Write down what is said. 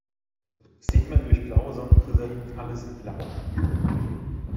Sieht man durch blaue Sonnenbrillen alles in blau?